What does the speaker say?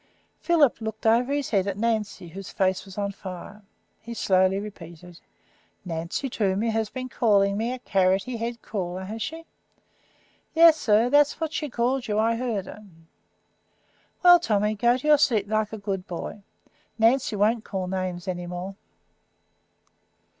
Philip looked over his head at Nancy, whose face was on fire. He slowly repeated: "Nancy Toomey has been calling me a carroty headed crawler, has she?" "Yes, sir. That's what she called you. I heard her." "Well, Tommy, go to your seat like a good boy. Nancy won't call names any more."